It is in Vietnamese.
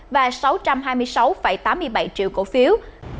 và sáu trăm hai mươi sáu tám mươi bảy triệu cổ phiếu